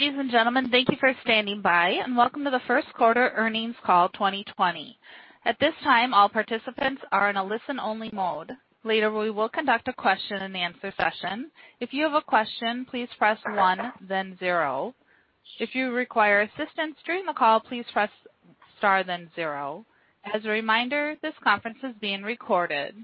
Ladies and gentlemen, thank you for standing by, and welcome to the first quarter earnings call 2020. At this time, all participants are in a listen-only mode. Later, we will conduct a question and answer session. If you have a question, please press one, then zero. If you require assistance during the call, please press star, then zero. As a reminder, this conference is being recorded.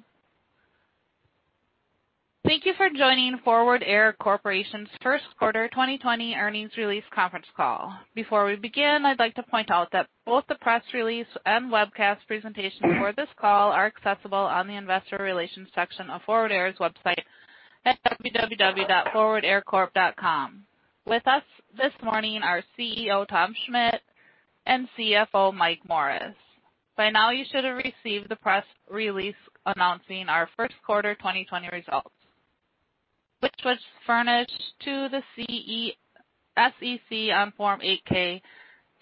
Thank you for joining Forward Air Corporation's first quarter 2020 earnings release conference call. Before we begin, I'd like to point out that both the press release and webcast presentation for this call are accessible on the investor relations section of Forward Air's website at www.forwardaircorp.com. With us this morning are CEO, Tom Schmitt, and CFO, Mike Morris. By now, you should have received the press release announcing our first quarter 2020 results, which was furnished to the SEC on Form 8-K,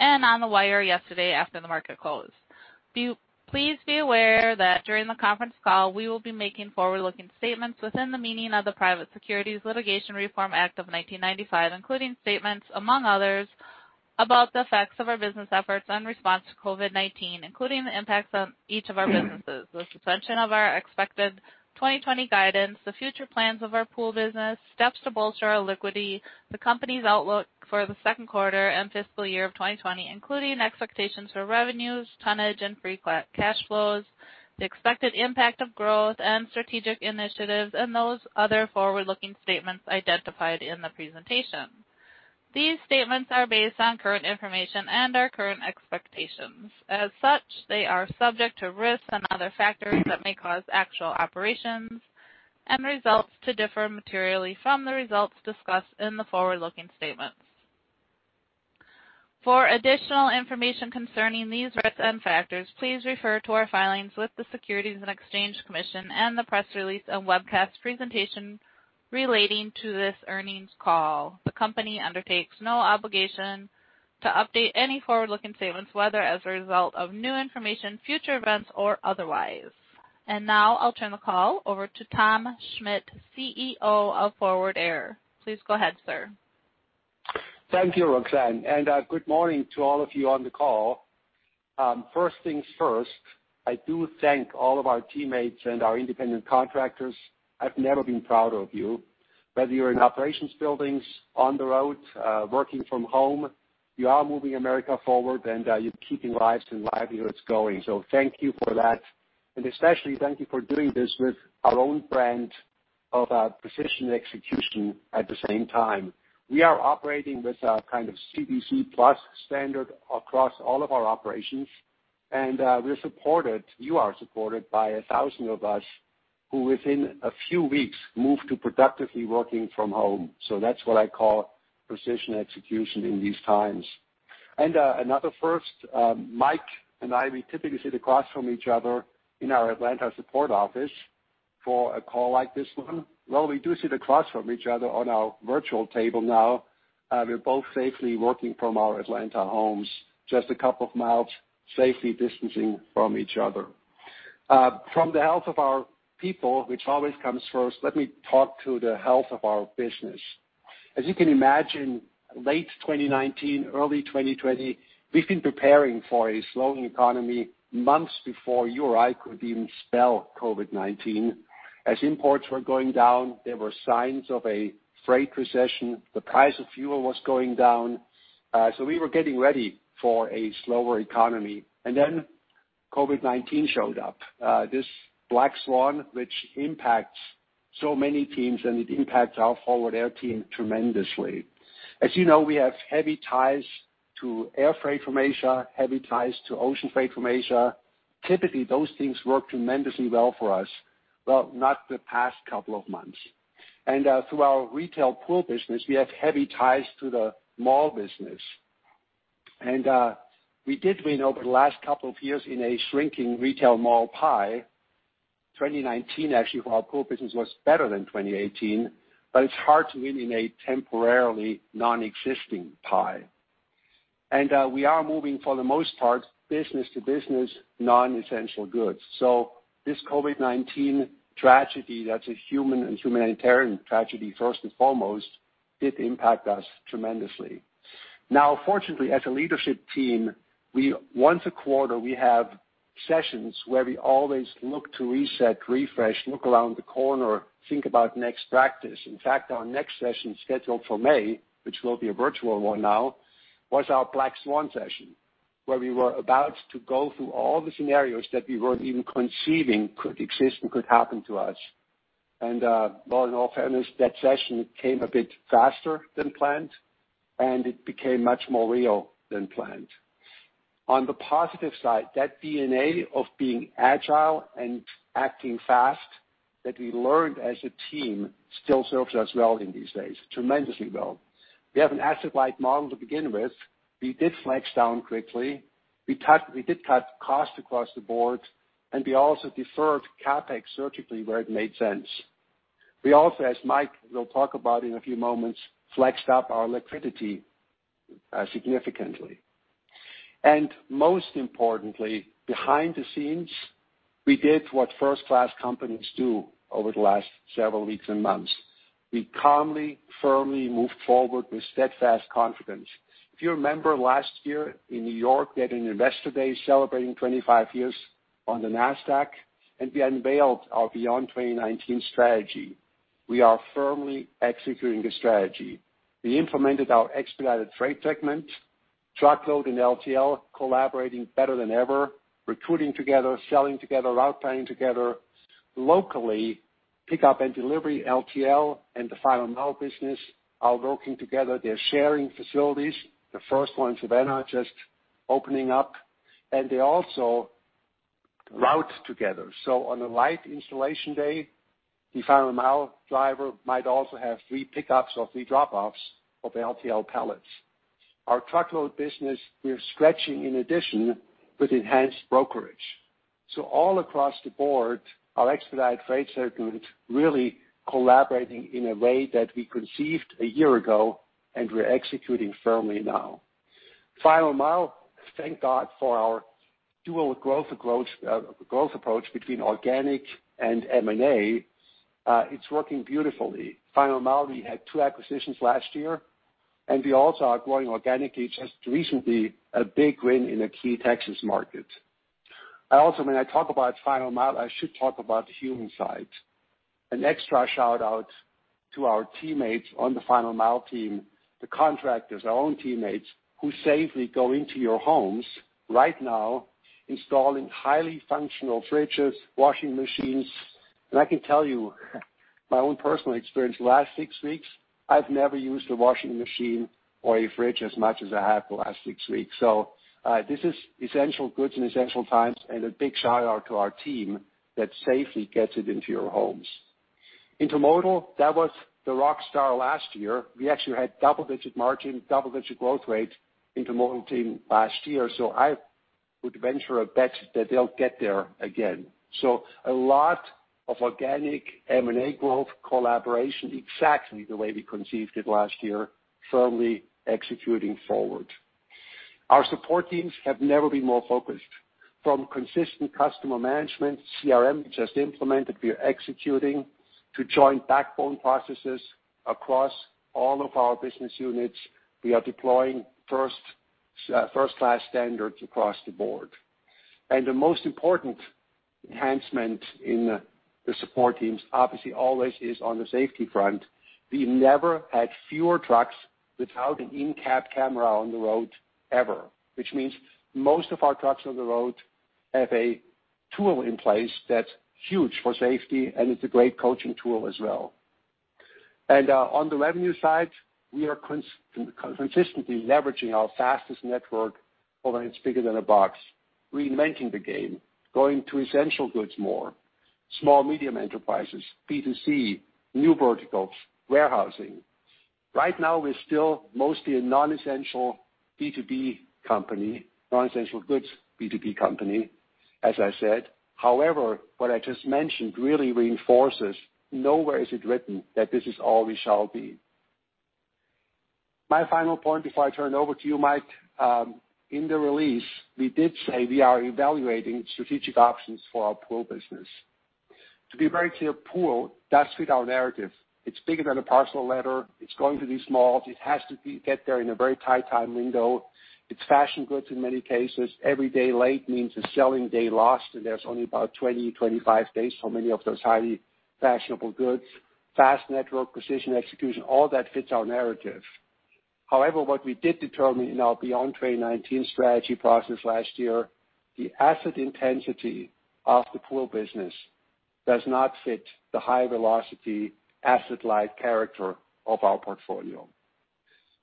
and on the wire yesterday after the market closed. Please be aware that during the conference call, we will be making forward-looking statements within the meaning of the Private Securities Litigation Reform Act of 1995, including statements, among others, about the effects of our business efforts in response to COVID-19, including the impacts on each of our businesses, the suspension of our expected 2020 guidance, the future plans of our Pool business, steps to bolster our liquidity, the company's outlook for the second quarter and fiscal year of 2020, including expectations for revenues, tonnage, and free cash flows, the expected impact of growth and strategic initiatives, and those other forward-looking statements identified in the presentation. These statements are based on current information and our current expectations. As such, they are subject to risks and other factors that may cause actual operations and results to differ materially from the results discussed in the forward-looking statements. For additional information concerning these risks and factors, please refer to our filings with the Securities and Exchange Commission and the press release and webcast presentation relating to this earnings call. The company undertakes no obligation to update any forward-looking statements, whether as a result of new information, future events, or otherwise. Now I'll turn the call over to Tom Schmitt, CEO of Forward Air. Please go ahead, sir. Thank you, Roxanne. Good morning to all of you on the call. First things first, I do thank all of our teammates and our independent contractors. I've never been proud of you, whether you're in operations buildings, on the road, working from home, you are moving America forward, and you're keeping lives and livelihoods going. Thank you for that. Especially thank you for doing this with our own brand of precision execution at the same time. We are operating with a kind of CDC+ standard across all of our operations, and we're supported, you are supported by 1,000 of us who within a few weeks moved to productively working from home. That's what I call precision execution in these times. Another first, Mike and I, we typically sit across from each other in our Atlanta support office for a call like this one. Well, we do sit across from each other on our virtual table now. We're both safely working from our Atlanta homes, just a couple of miles, safely distancing from each other. From the health of our people, which always comes first, let me talk to the health of our business. You can imagine, late 2019, early 2020, we've been preparing for a slowing economy months before you or I could even spell COVID-19. Imports were going down, there were signs of a freight recession. The price of fuel was going down. We were getting ready for a slower economy. COVID-19 showed up. This black swan, which impacts so many teams, and it impacts our Forward Air team tremendously. You know, we have heavy ties to air freight from Asia, heavy ties to ocean freight from Asia. Typically, those things work tremendously well for us. Well, not the past couple of months. Through our retail Pool business, we have heavy ties to the mall business. We did win over the last couple of years in a shrinking retail mall pie. 2019, actually, for our Pool business was better than 2018, but it's hard to win in a temporarily non-existing pie. We are moving, for the most part, business-to-business, non-essential goods. This COVID-19 tragedy, that's a human and humanitarian tragedy, first and foremost, did impact us tremendously. Now, fortunately, as a leadership team, once a quarter, we have sessions where we always look to reset, refresh, look around the corner, think about next practice. In fact, our next session scheduled for May, which will be a virtual one now, was our Black Swan session, where we were about to go through all the scenarios that we weren't even conceiving could exist and could happen to us. In all fairness, that session came a bit faster than planned, and it became much more real than planned. On the positive side, that DNA of being agile and acting fast that we learned as a team still serves us well in these days, tremendously well. We have an asset-light model to begin with. We did flex down quickly. We did cut costs across the board, and we also deferred CapEx surgically where it made sense. We also, as Mike will talk about in a few moments, flexed up our liquidity significantly. Most importantly, behind the scenes, we did what first-class companies do over the last several weeks and months. We calmly, firmly moved forward with steadfast confidence. If you remember last year in New York we had an Investor Day celebrating 25 years on the NASDAQ, and we unveiled our Beyond 2019 strategy. We are firmly executing the strategy. We implemented our Expedited Freight segment, truckload and LTL collaborating better than ever, recruiting together, selling together, route planning together. Locally, pickup and delivery LTL and the Final Mile business are working together. They're sharing facilities. The first one, Savannah, just opening up, and they also route together. On a light installation day, the Final Mile driver might also have three pickups or three drop-offs of LTL pallets. Our truckload business, we are stretching in addition with enhanced brokerage. All across the board, our Expedited Freight segment really collaborating in a way that we conceived a year ago, and we're executing firmly now. Final Mile, thank God for our dual growth approach between organic and M&A. It's working beautifully. Final Mile, we had two acquisitions last year, and we also are growing organically. Just recently, a big win in a key Texas market. Also, when I talk about Final Mile, I should talk about the human side. An extra shout-out to our teammates on the Final Mile team, the contractors, our own teammates, who safely go into your homes right now installing highly functional fridges, washing machines. I can tell you my own personal experience the last six weeks, I've never used a washing machine or a fridge as much as I have the last six weeks. This is essential goods in essential times, and a big shout-out to our team that safely gets it into your homes. Intermodal, that was the rock star last year. We actually had double-digit margin, double-digit growth rate Intermodal team last year. I would venture a bet that they'll get there again. A lot of organic M&A growth collaboration, exactly the way we conceived it last year, firmly executing forward. Our support teams have never been more focused. From consistent customer management, CRM we just implemented, we are executing to join backbone processes across all of our business units. We are deploying first-class standards across the board. The most important enhancement in the support teams obviously always is on the safety front. We never had fewer trucks without an in-cab camera on the road, ever. Which means most of our trucks on the road have a tool in place that's huge for safety, and it's a great coaching tool as well. On the revenue side, we are consistently leveraging our fastest network, although it's bigger than a box, reinventing the game, going to essential goods more, small-medium enterprises, B2C, new verticals, warehousing. Right now, we're still mostly a non-essential B2B company, non-essential goods B2B company, as I said. However, what I just mentioned really reinforces nowhere is it written that this is all we shall be. My final point before I turn it over to you, Mike. In the release, we did say we are evaluating strategic options for our Pool business.` To be very clear, Pool, that's with our narrative. It's bigger than a parcel letter. It's going to these malls. It has to get there in a very tight time window. It's fashion goods in many cases. Every day late means a selling day lost, and there's only about 20, 25 days for many of those highly fashionable goods. Fast network, precision execution, all that fits our narrative. What we did determine in our Beyond 2019 strategy process last year, the asset intensity of the Pool business does not fit the high-velocity asset-light character of our portfolio.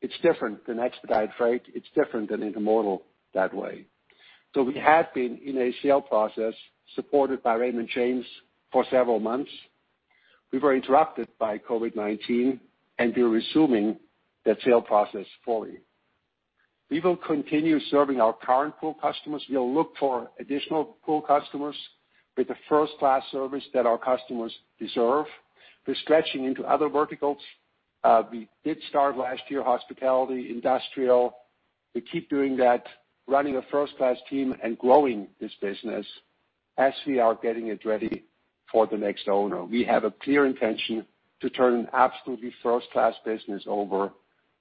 It's different than Expedited Freight. It's different than Intermodal that way. We had been in a sale process supported by Raymond James for several months. We were interrupted by COVID-19, and we're resuming that sale process fully. We will continue serving our current Pool customers. We'll look for additional Pool customers with the first-class service that our customers deserve. We're stretching into other verticals. We did start last year hospitality, industrial. We keep doing that, running a first-class team and growing this business as we are getting it ready for the next owner. We have a clear intention to turn an absolutely first-class business over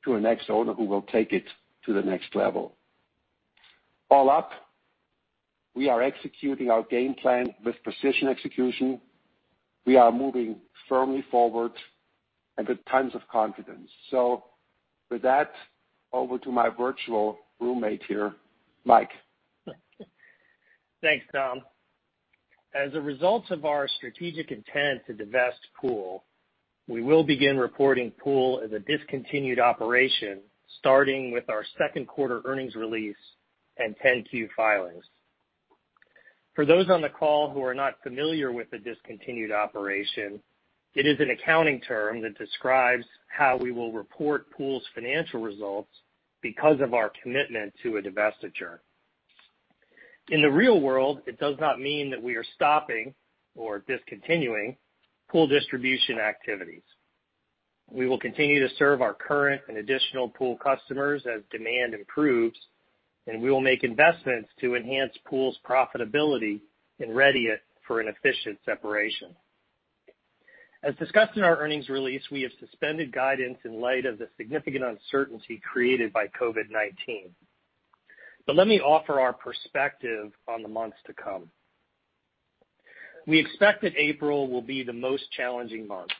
to a next owner who will take it to the next level. All up, we are executing our game plan with precision execution. We are moving firmly forward and with tons of confidence. With that, over to my virtual roommate here, Mike. Thanks, Tom. As a result of our strategic intent to divest Pool, we will begin reporting Pool as a discontinued operation starting with our second quarter earnings release and 10-Q filings. For those on the call who are not familiar with the discontinued operation, it is an accounting term that describes how we will report Pool's financial results because of our commitment to a divestiture. In the real world, it does not mean that we are stopping or discontinuing Pool distribution activities. We will continue to serve our current and additional Pool customers as demand improves, and we will make investments to enhance Pool's profitability and ready it for an efficient separation. As discussed in our earnings release, we have suspended guidance in light of the significant uncertainty created by COVID-19. Let me offer our perspective on the months to come. We expect that April will be the most challenging month.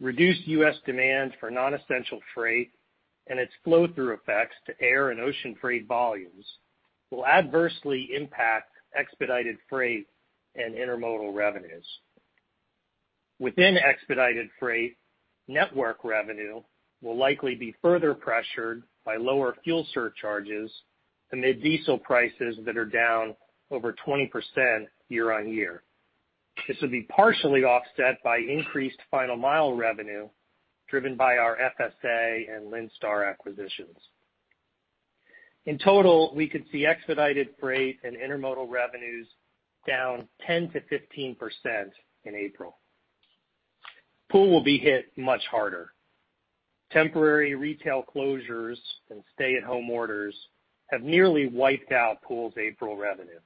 Reduced U.S. demand for non-essential freight and its flow-through effects to air and ocean freight volumes will adversely impact Expedited Freight and Intermodal revenues. Within Expedited Freight, network revenue will likely be further pressured by lower fuel surcharges amid diesel prices that are down over 20% year-on-year. This will be partially offset by increased Final Mile revenue driven by our FSA and Linn Star acquisitions. In total, we could see Expedited Freight and Intermodal revenues down 10%-15% in April. Pool will be hit much harder. Temporary retail closures and stay-at-home orders have nearly wiped out Pool's April revenue,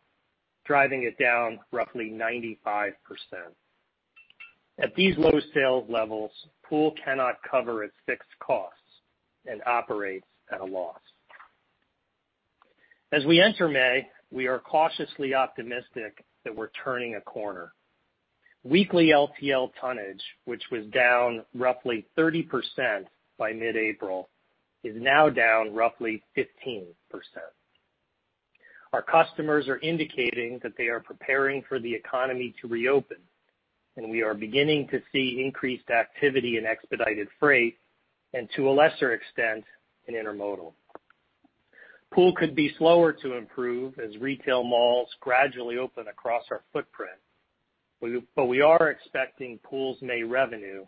driving it down roughly 95%. At these low sales levels, Pool cannot cover its fixed costs and operates at a loss. As we enter May, we are cautiously optimistic that we're turning a corner. Weekly LTL tonnage, which was down roughly 30% by mid-April, is now down roughly 15%. Our customers are indicating that they are preparing for the economy to reopen, and we are beginning to see increased activity in Expedited Freight and, to a lesser extent, in Intermodal. Pool could be slower to improve as retail malls gradually open across our footprint. We are expecting Pool's May revenue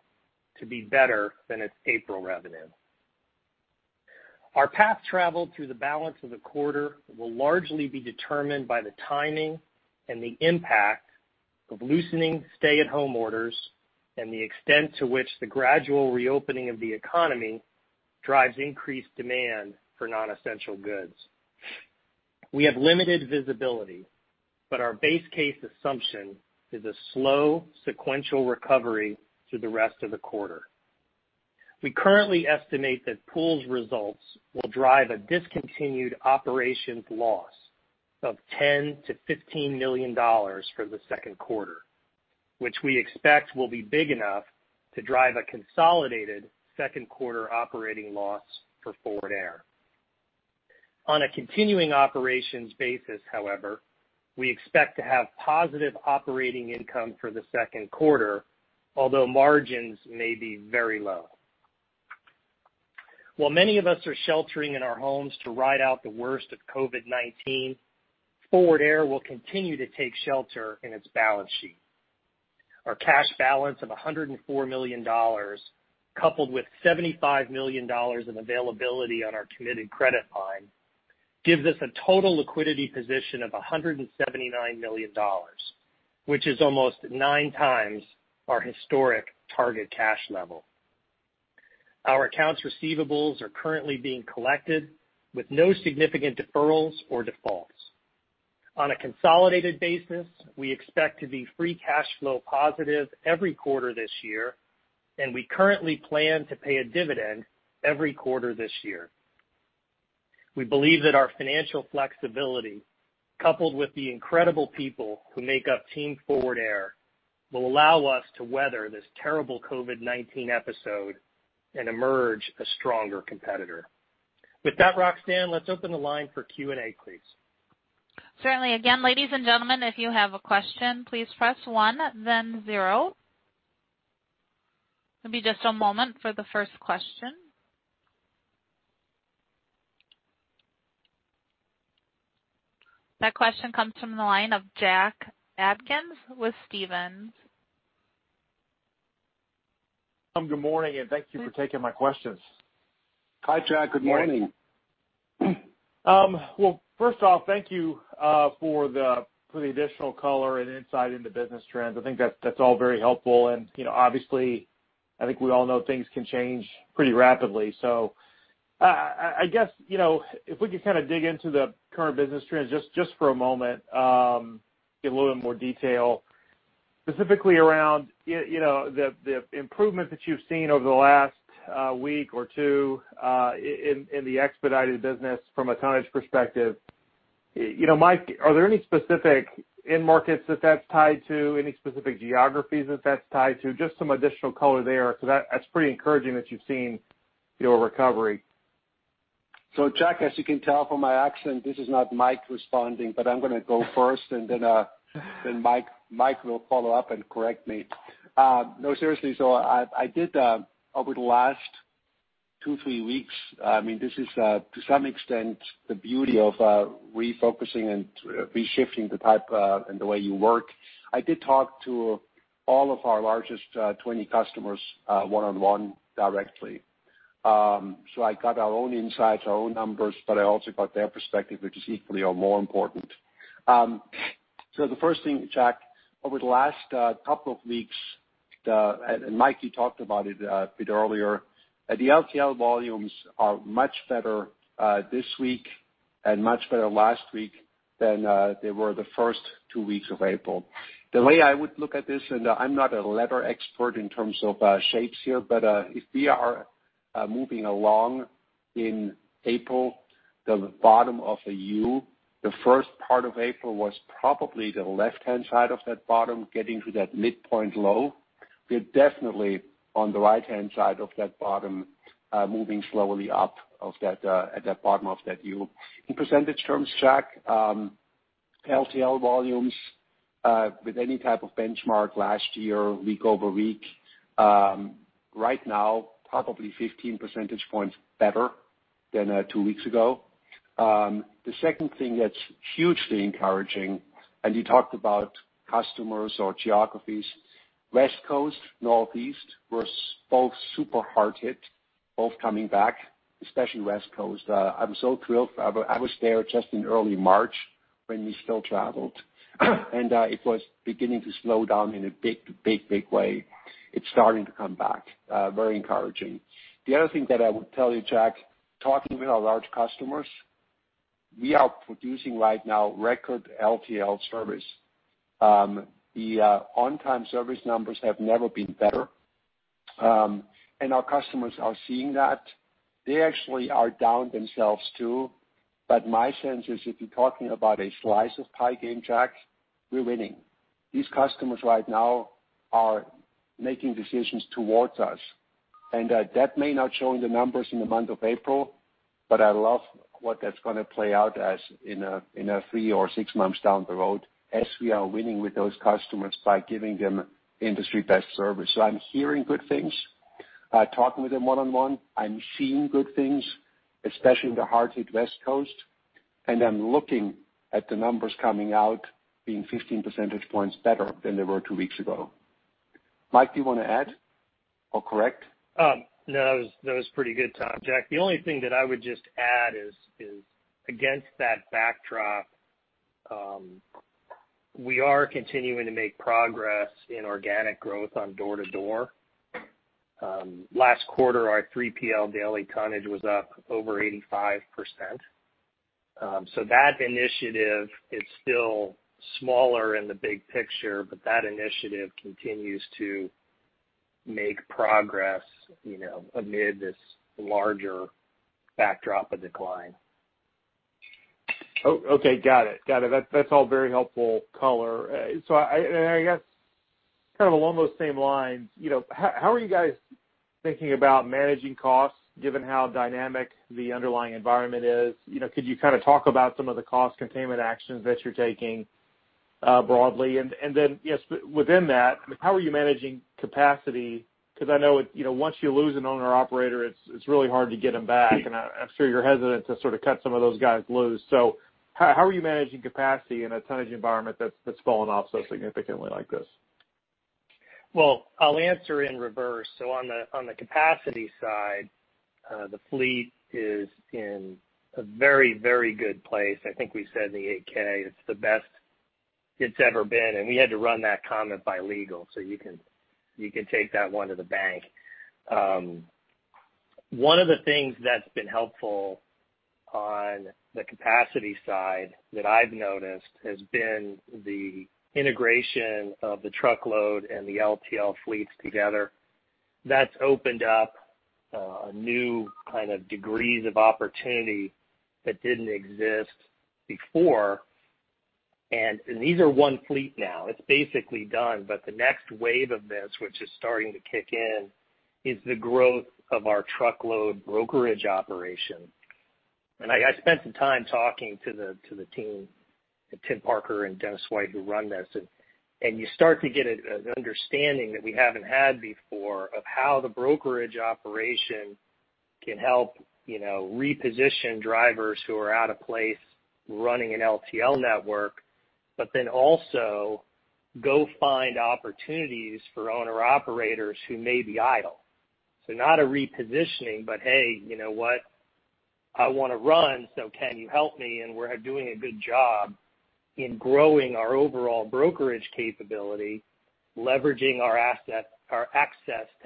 to be better than its April revenue. Our path traveled through the balance of the quarter will largely be determined by the timing and the impact of loosening stay-at-home orders and the extent to which the gradual reopening of the economy drives increased demand for non-essential goods. We have limited visibility, but our base case assumption is a slow sequential recovery through the rest of the quarter. We currently estimate that Pool's results will drive a discontinued operations loss of $10 million-$15 million for the second quarter, which we expect will be big enough to drive a consolidated second quarter operating loss for Forward Air. On a continuing operations basis, however, we expect to have positive operating income for the second quarter, although margins may be very low. While many of us are sheltering in our homes to ride out the worst of COVID-19, Forward Air will continue to take shelter in its balance sheet. Our cash balance of $104 million, coupled with $75 million in availability on our committed credit line, gives us a total liquidity position of $179 million, which is almost nine times our historic target cash level. Our accounts receivables are currently being collected with no significant deferrals or defaults. On a consolidated basis, we expect to be free cash flow positive every quarter this year, and we currently plan to pay a dividend every quarter this year. We believe that our financial flexibility, coupled with the incredible people who make up Team Forward Air, will allow us to weather this terrible COVID-19 episode and emerge a stronger competitor. With that, Roxanne, let's open the line for Q&A, please. Certainly. Again, ladies and gentlemen, if you have a question, please press one then zero. It'll be just a moment for the first question. That question comes from the line of Jack Atkins with Stephens. Good morning, and thank you for taking my questions. Hi, Jack. Good morning. Well, first off, thank you for the additional color and insight into business trends. I think that's all very helpful. Obviously, I think we all know things can change pretty rapidly. I guess, if we could kind of dig into the current business trends just for a moment, get a little bit more detail, specifically around the improvement that you've seen over the last week or two in the expedited business from a tonnage perspective. Mike, are there any specific end markets that that's tied to? Any specific geographies that that's tied to? Just some additional color there because that's pretty encouraging that you've seen a recovery. Jack, as you can tell from my accent, this is not Mike responding, but I'm going to go first, and then Mike will follow up and correct me. No, seriously. I did, over the last two, three weeks. This is to some extent the beauty of refocusing and reshifting the type and the way you work. I did talk to all of our largest 20 customers one-on-one directly. I got our own insights, our own numbers, but I also got their perspective, which is equally or more important. The first thing, Jack, over the last couple of weeks, and Mike, you talked about it a bit earlier, the LTL volumes are much better this week and much better last week than they were the first two weeks of April. The way I would look at this, and I'm not a letter expert in terms of shapes here, but if we are moving along in April, the bottom of the U, the first part of April was probably the left-hand side of that bottom, getting to that midpoint low. We're definitely on the right-hand side of that bottom, moving slowly up at that bottom of that U. In percentage terms, Jack, LTL volumes with any type of benchmark last year, week over week, right now, probably 15 percentage points better than two weeks ago. The second thing that's hugely encouraging. You talked about customers or geographies. West Coast, Northeast, were both super hard hit, both coming back, especially West Coast. I'm so thrilled. I was there just in early March when we still traveled. It was beginning to slow down in a big way. It's starting to come back. Very encouraging. The other thing that I would tell you, Jack, talking with our large customers, we are producing right now record LTL service. The on-time service numbers have never been better. Our customers are seeing that. They actually are down themselves, too. My sense is, if you're talking about a slice of pie game, Jack, we're winning. These customers right now are making decisions towards us. That may not show in the numbers in the month of April, I love what that's going to play out as in a three or six months down the road, as we are winning with those customers by giving them industry best service. I'm hearing good things, talking with them one-on-one. I'm seeing good things, especially in the hard hit West Coast, I'm looking at the numbers coming out being 15 percentage points better than they were two weeks ago. Mike, do you want to add or correct? No, that was pretty good, Tom. Jack, the only thing that I would just add is against that backdrop, we are continuing to make progress in organic growth on door-to-door. Last quarter, our 3PL daily tonnage was up over 85%. That initiative is still smaller in the big picture, but that initiative continues to make progress amid this larger backdrop of decline. Okay, got it. That's all very helpful color. I guess, kind of along those same lines, how are you guys thinking about managing costs given how dynamic the underlying environment is? Could you kind of talk about some of the cost containment actions that you're taking broadly? Then, yes, within that, how are you managing capacity? I know once you lose an owner-operator, it's really hard to get them back, and I'm sure you're hesitant to sort of cut some of those guys loose. How are you managing capacity in a tonnage environment that's fallen off so significantly like this? Well, I'll answer in reverse. On the capacity side, the fleet is in a very good place. I think we said in the 8-K, it's the best it's ever been, and we had to run that comment by legal, so you can take that one to the bank. One of the things that's been helpful on the capacity side that I've noticed has been the integration of the truckload and the LTL fleets together. That's opened up new kind of degrees of opportunity that didn't exist before. These are one fleet now. It's basically done. The next wave of this, which is starting to kick in, is the growth of our truckload brokerage operation. I spent some time talking to the team, Tim Parker and Dennis White, who run this, and you start to get an understanding that we haven't had before of how the brokerage operation can help reposition drivers who are out of place running an LTL network, but then also go find opportunities for owner-operators who may be idle. Not a repositioning, but, hey, you know what? I want to run, so can you help me? We're doing a good job in growing our overall brokerage capability, leveraging our access to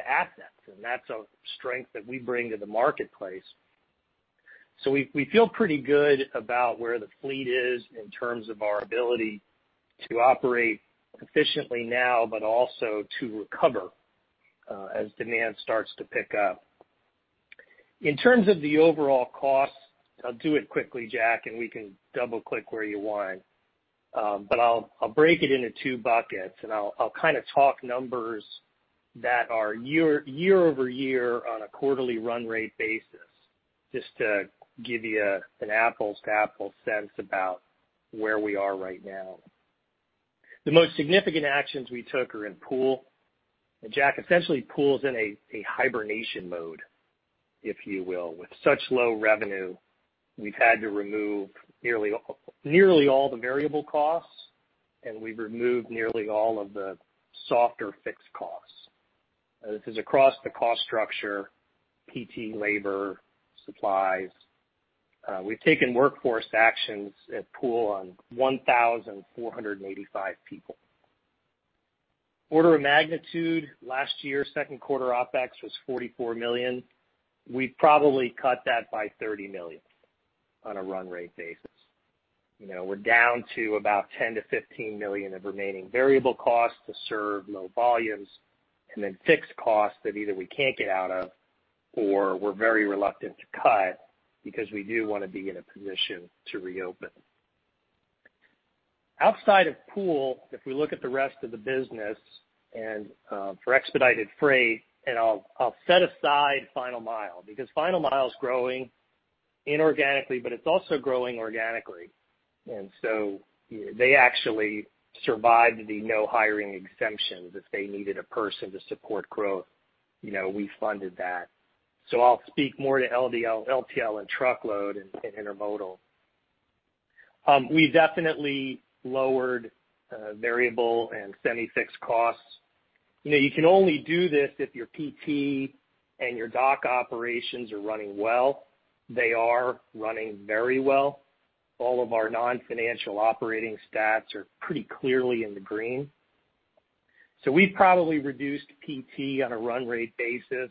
assets, and that's a strength that we bring to the marketplace. We feel pretty good about where the fleet is in terms of our ability to operate efficiently now, but also to recover as demand starts to pick up. In terms of the overall cost, I'll do it quickly, Jack. We can double click where you want. I'll break it into two buckets. I'll kind of talk numbers that are year-over-year on a quarterly run rate basis, just to give you an apples to apples sense about where we are right now. The most significant actions we took are in Pool. Jack, essentially, Pool is in a hibernation mode, if you will. With such low revenue, we've had to remove nearly all the variable costs. We've removed nearly all of the softer fixed costs. This is across the cost structure, PT, labor, supplies. We've taken workforce actions at Pool on 1,485 people. Order of magnitude, last year, second quarter OpEx was $44 million. We probably cut that by $30 million on a run rate basis. We're down to about $10 million-$15 million of remaining variable costs to serve low volumes. Fixed costs that either we can't get out of, or we're very reluctant to cut because we do want to be in a position to reopen. Outside of Pool, if we look at the rest of the business. For Expedited Freight, I'll set aside Final Mile, Final Mile is growing inorganically, but it's also growing organically. They actually survived the no hiring exemptions. If they needed a person to support growth, we funded that. I'll speak more to LTL and truckload and Intermodal. We definitely lowered variable and semi-fixed costs. You can only do this if your PT and your dock operations are running well. They are running very well. All of our non-financial operating stats are pretty clearly in the green. We've probably reduced PT on a run rate basis,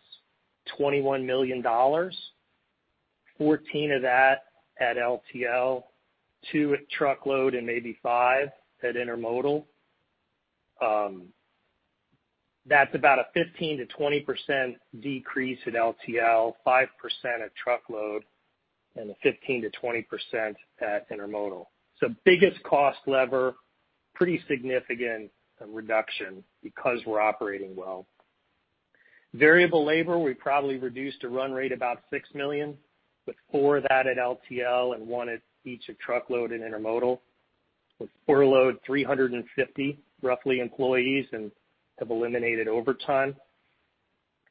$21 million, $14 million of that at LTL, $2 million at truckload, and maybe $5 million at Intermodal. That's about a 15%-20% decrease at LTL, 5% at truckload, and a 15%-20% at Intermodal. Biggest cost lever, pretty significant reduction because we're operating well. Variable labor, we probably reduced a run rate about $6 million, with $4 million of that at LTL and $1 million at each of truckload and Intermodal. We've furloughed 350, roughly, employees and have eliminated overtime.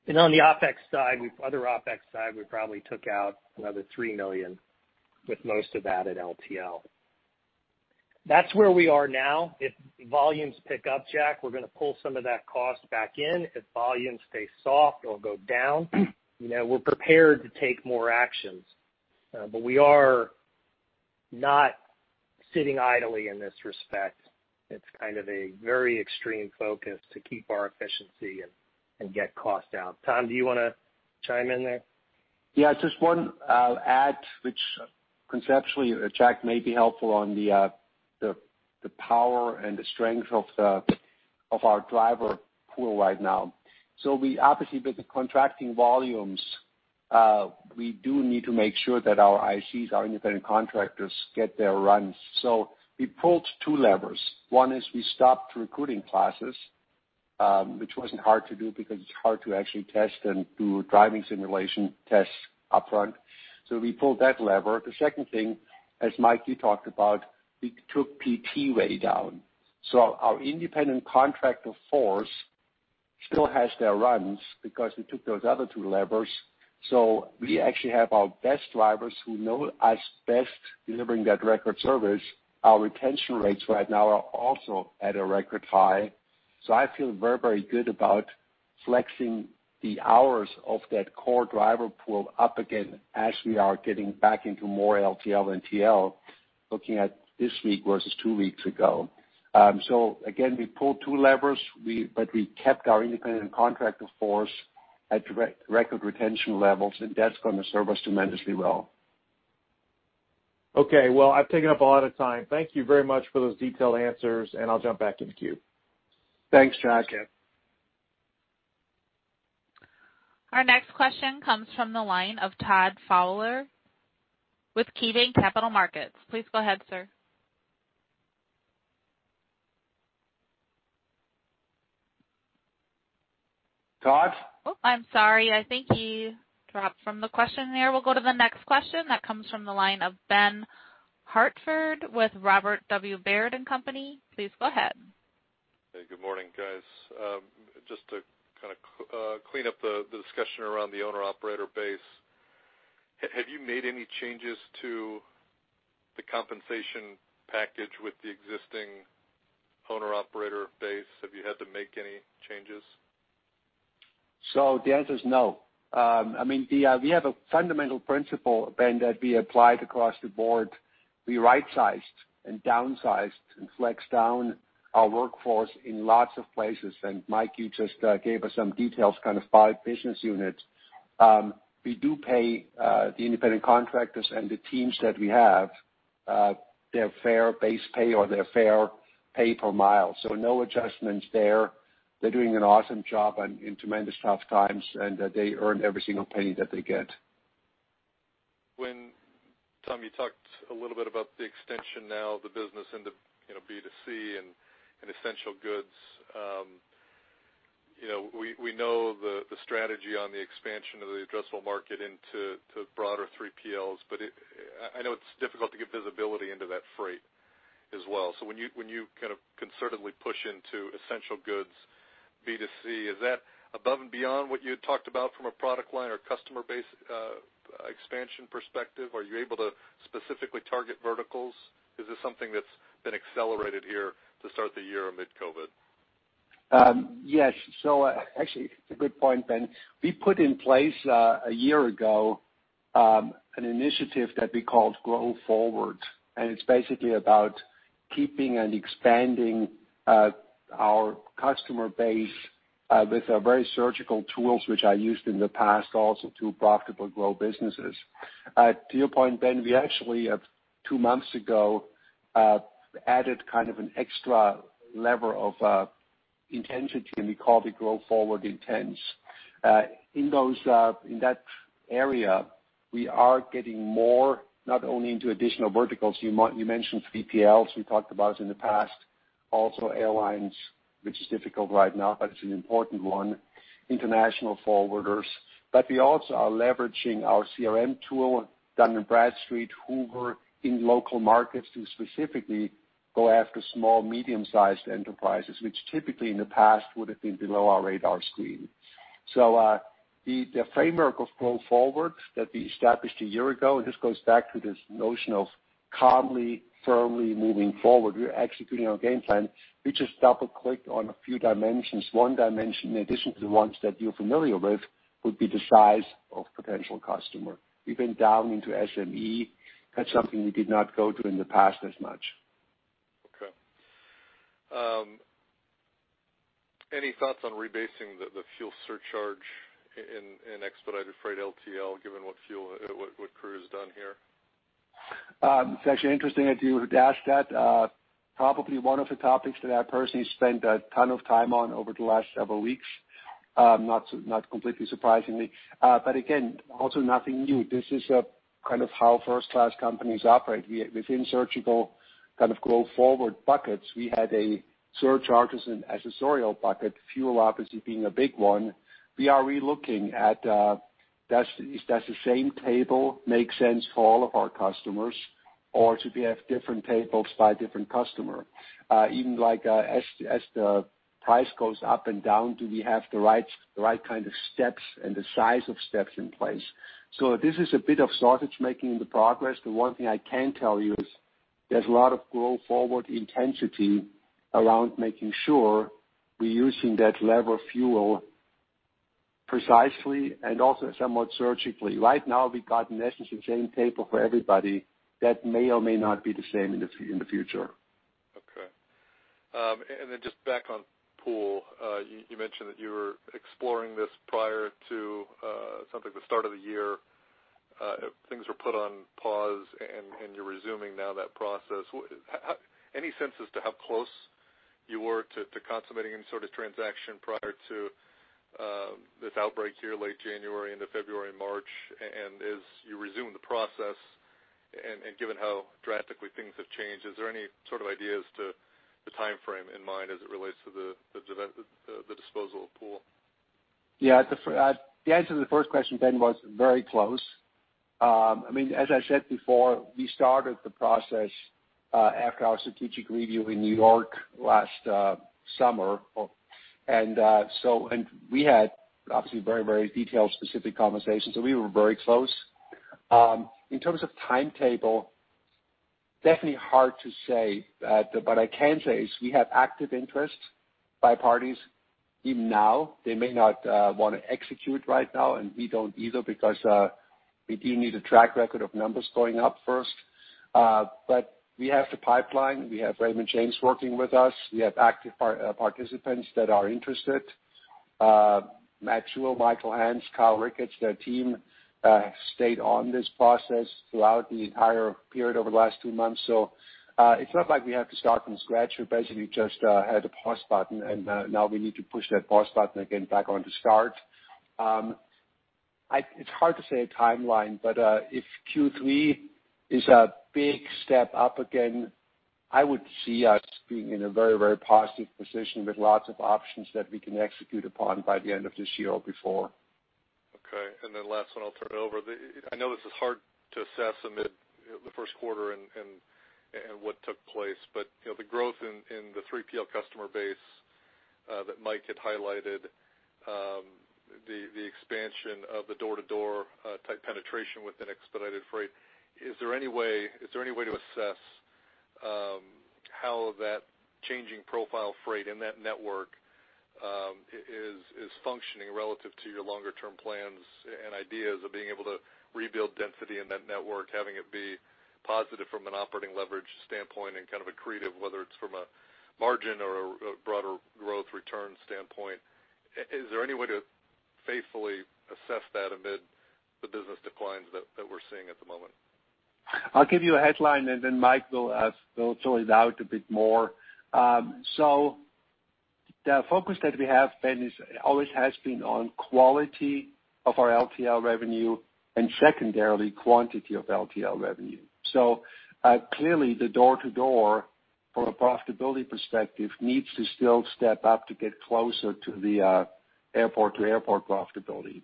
On the other OpEx side, we probably took out another $3 million, with most of that at LTL. That's where we are now. If volumes pick up, Jack, we're going to pull some of that cost back in. If volumes stay soft, it'll go down. We're prepared to take more actions. We are not sitting idly in this respect. It's kind of a very extreme focus to keep our efficiency and get costs down. Tom, do you want to chime in there? Yeah, just one I'll add, which conceptually, Jack, may be helpful on the power and the strength of our driver pool right now. Obviously, with the contracting volumes, we do need to make sure that our ICs, our independent contractors, get their runs. We pulled two levers. One is we stopped recruiting classes, which wasn't hard to do because it's hard to actually test and do driving simulation tests upfront. The second thing, as Mike, you talked about, we took PT way down. Our independent contractor force still has their runs because we took those other two levers. We actually have our best drivers who know us best delivering that record service. Our retention rates right now are also at a record high. I feel very good about flexing the hours of that core driver pool up again as we are getting back into more LTL and TL, looking at this week versus two weeks ago. Again, we pulled two levers, but we kept our independent contractor force at record retention levels, and that's going to serve us tremendously well. Okay. Well, I've taken up a lot of time. Thank you very much for those detailed answers, and I'll jump back in the queue. Thanks, Jack. Our next question comes from the line of Todd Fowler with KeyBanc Capital Markets. Please go ahead, sir. Todd? Oh, I'm sorry. I think he dropped from the question there. We'll go to the next question that comes from the line of Ben Hartford with Robert W. Baird & Company. Please go ahead. Hey, good morning, guys. Just to kind of clean up the discussion around the owner operator base. Have you made any changes to the compensation package with the existing owner operator base? Have you had to make any changes? The answer is no. We have a fundamental principle, Ben, that we applied across the board. We right-sized and downsized and flexed down our workforce in lots of places. Mike, you just gave us some details, kind of five business units. We do pay the independent contractors and the teams that we have their fair base pay or their fair pay per mile. No adjustments there. They're doing an awesome job in tremendously tough times, and they earn every single penny that they get. Tom, you talked a little bit about the extension now of the business into B2C and essential goods. We know the strategy on the expansion of the addressable market into broader 3PLs, I know it's difficult to get visibility into that freight as well. When you kind of concertedly push into essential goods, B2C, is that above and beyond what you had talked about from a product line or customer base expansion perspective? Are you able to specifically target verticals? Is this something that's been accelerated here to start the year amid COVID? Yes. Actually, it's a good point, Ben. We put in place, a year ago, an initiative that we called Grow Forward, and it's basically about keeping and expanding our customer base with our very surgical tools, which I used in the past also to profitably grow businesses. To your point, Ben, we actually, two months ago, added kind of an extra level of intensity, and we call it Grow Forward Intense. In that area, we are getting more, not only into additional verticals. You mentioned 3PLs. We talked about in the past also airlines, which is difficult right now, but it's an important one, international forwarders. We also are leveraging our CRM tool, Dun & Bradstreet, Hoovers, in local markets to specifically go after small, medium-sized enterprises, which typically in the past would have been below our radar screen. The framework of Grow Forward that we established a year ago, and this goes back to this notion of calmly, firmly moving forward. We're executing our game plan. We just double-clicked on a few dimensions. One dimension, in addition to the ones that you're familiar with, would be the size of potential customer. We've been down into SME. That's something we did not go to in the past as much. Okay. Any thoughts on rebasing the fuel surcharge in Expedited Freight LTL, given what crude has done here? It's actually interesting that you asked that. Probably one of the topics that I personally spent a ton of time on over the last several weeks, not completely surprisingly. Again, also nothing new. This is kind of how first-class companies operate. Within surgical Grow Forward buckets, we had surcharges and accessorial bucket, fuel obviously being a big one. We are re-looking at does the same table make sense for all of our customers, or should we have different tables by different customer? Even as the price goes up and down, do we have the right kind of steps and the size of steps in place? This is a bit of sausage-making in the progress. The one thing I can tell you is there's a lot of Grow Forward intensity around making sure we're using that lever fuel precisely and also somewhat surgically. Right now, we got an essentially same table for everybody. That may or may not be the same in the future. Okay. Just back on Pool. You mentioned that you were exploring this prior to the start of the year. Things were put on pause, and you're resuming now that process. Any sense as to how close you were to consummating any sort of transaction prior to this outbreak here late January into February and March? As you resume the process, and given how drastically things have changed, is there any sort of idea as to the timeframe in mind as it relates to the disposal of Pool? Yeah. The answer to the first question, Ben, was very close. As I said before, we started the process after our strategic review in New York last summer. We had obviously very detailed, specific conversations. We were very close. In terms of timetable, definitely hard to say. I can say is we have active interest by parties even now. They may not want to execute right now. We don't either because we do need a track record of numbers going up first. We have the pipeline. We have Raymond James working with us. We have active participants that are interested. Matt Schull, Michael Hance, Kyle Ricketts, their team stayed on this process throughout the entire period over the last two months. It's not like we have to start from scratch. We basically just had a pause button, and now we need to push that pause button again back on to start. It's hard to say a timeline, but if Q3 is a big step up again, I would see us being in a very positive position with lots of options that we can execute upon by the end of this year or before. Okay. Last one, I'll turn it over. I know this is hard to assess amid the first quarter and what took place, but the growth in the 3PL customer base that Mike had highlighted, the expansion of the door-to-door type penetration within Expedited Freight. Is there any way to assess how that changing profile freight in that network is functioning relative to your longer-term plans and ideas of being able to rebuild density in that network, having it be positive from an operating leverage standpoint and kind of accretive, whether it's from a margin or a broader growth return standpoint? Is there any way to faithfully assess that amid the business declines that we're seeing at the moment? I'll give you a headline, and then Mike will fill it out a bit more. The focus that we have, Ben, always has been on quality of our LTL revenue and secondarily, quantity of LTL revenue. Clearly the door-to-door, from a profitability perspective, needs to still step up to get closer to the airport-to-airport profitability.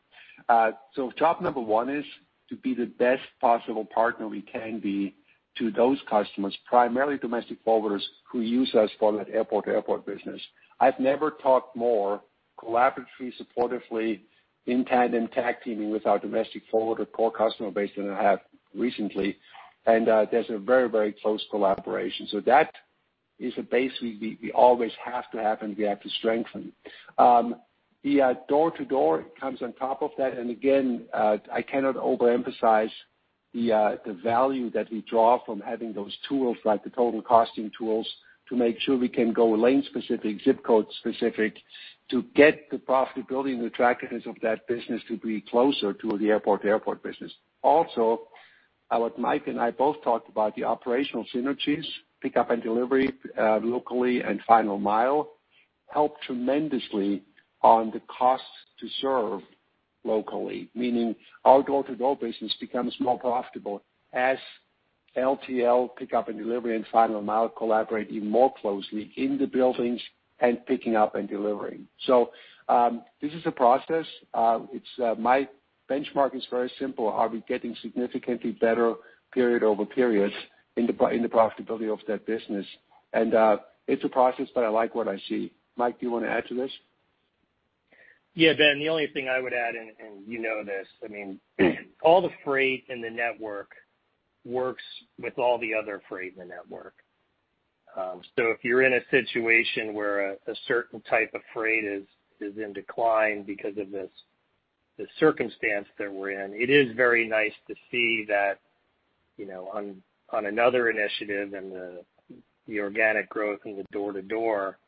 Job number one is to be the best possible partner we can be to those customers, primarily domestic forwarders who use us for that airport-to-airport business. I've never talked more collaboratively, supportively in tandem tag teaming with our domestic forwarder core customer base than I have recently, and there's a very close collaboration. That is basically we always have to happen, we have to strengthen. The door-to-door comes on top of that, and again, I cannot overemphasize the value that we draw from having those tools, like the total costing tools, to make sure we can go lane specific, zip code specific to get the profitability and attractiveness of that business to be closer to the airport-to-airport business. Mike and I both talked about the operational synergies, pickup and delivery locally, and Final Mile help tremendously on the cost to serve locally, meaning our door-to-door business becomes more profitable as LTL pickup and delivery and Final Mile collaborate even more closely in the buildings and picking up and delivering. This is a process. My benchmark is very simple. Are we getting significantly better period over periods in the profitability of that business? It's a process, but I like what I see. Mike, do you want to add to this? Yeah, Ben, the only thing I would add, and you know this. All the freight in the network works with all the other freight in the network. If you're in a situation where a certain type of freight is in decline because of this, the circumstance that we're in, it is very nice to see that on another initiative and the organic growth in the door-to-door,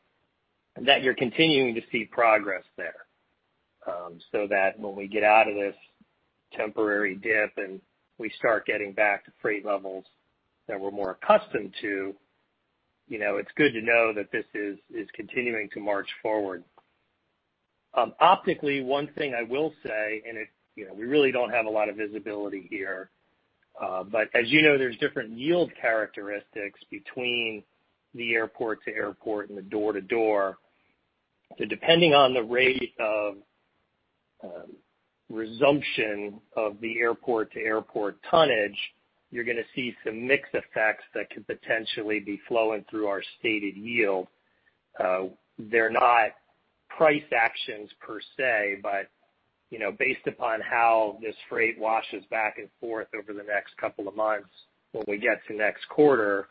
that you're continuing to see progress there. That when we get out of this temporary dip and we start getting back to freight levels that we're more accustomed to, it's good to know that this is continuing to march forward. Optically, one thing I will say, and we really don't have a lot of visibility here. As you know, there's different yield characteristics between the airport-to-airport and the door-to-door. Depending on the rate of resumption of the airport-to-airport tonnage, you're going to see some mix effects that could potentially be flowing through our stated yield. They're not price actions per se, but based upon how this freight washes back and forth over the next couple of months, when we get to next quarter,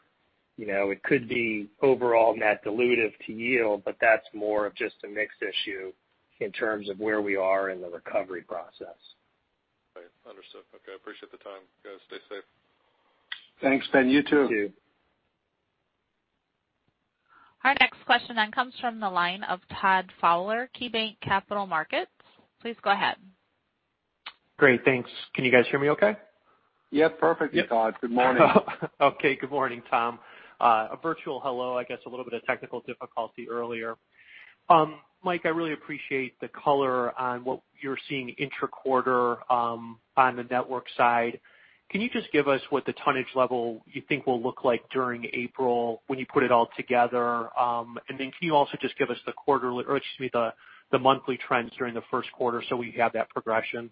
it could be overall net dilutive to yield, but that's more of just a mix issue in terms of where we are in the recovery process. Right. Understood. Okay. I appreciate the time, guys. Stay safe. Thanks, Ben. You too. You too. Our next question then comes from the line of Todd Fowler, KeyBanc Capital Markets. Please go ahead. Great. Thanks. Can you guys hear me okay? Yeah, perfect Todd. Good morning. Okay. Good morning, Tom. A virtual hello. I guess a little bit of technical difficulty earlier. Mike, I really appreciate the color on what you're seeing intra-quarter, on the network side. Can you just give us what the tonnage level you think will look like during April when you put it all together? Then can you also just give us the quarterly, or excuse me, the monthly trends during the first quarter so we have that progression?